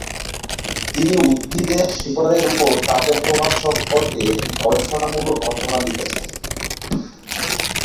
তিনি উদ্ভিদের শিকড়ের উপর তাপের প্রভাব সম্পর্কে একটি গবেষণামূলক রচনা লিখেছিলেন।